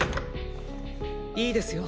いいですよ